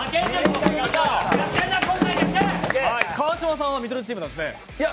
川島さんは見取り図チームなんですね。